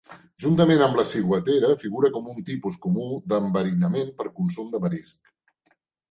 Juntament amb la ciguatera, figura com un tipus comú d'enverinament per consum de marisc.